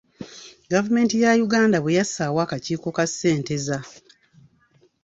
Gavumenti ya Yuganda bwe yassaawo akakiiko ka Ssenteza